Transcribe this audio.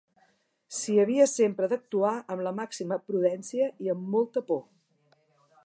S'hi havia sempre d'actuar amb la màxima prudència i amb molta por.